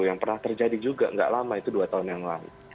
yang pernah terjadi juga nggak lama itu dua tahun yang lalu